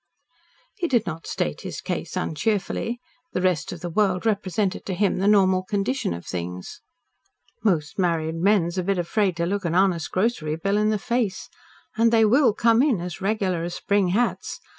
He did not state his case uncheerfully. "The rest of the world" represented to him the normal condition of things. "Most married men's a bit afraid to look an honest grocery bill in the face. And they WILL come in as regular as spring hats.